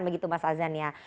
begitu mas adzan ya